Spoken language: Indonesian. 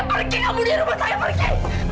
pergi pergi kamu di rumah saya pergi